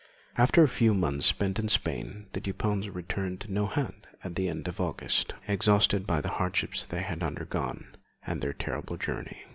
After a few months spent in Spain, the Dupins returned to Nohant at the end of August, exhausted by the hardships they had undergone and their terrible journey.